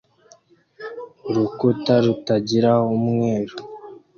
Urukuta rutagira umweru